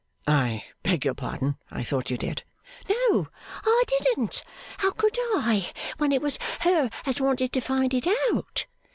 'I beg your pardon. I thought you did.' 'No, I didn't. How could I, when it was her as wanted to find it out?